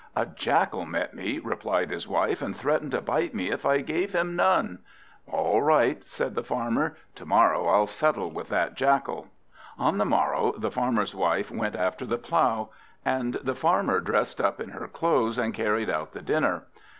"A Jackal met me," replied his wife, "and threatened to bite me if I gave him none." "All right," said the Farmer, "to morrow I'll settle with that Jackal." On the morrow, the Farmer's wife went after the plough, and the Farmer dressed up in her clothes and carried out the dinner.